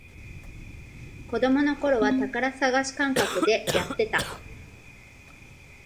子供のころは宝探し感覚でやってた